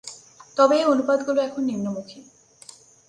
তবে এ অনুপাতগুলো এখন নিম্নমুখী।